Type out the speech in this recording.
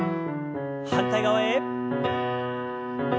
反対側へ。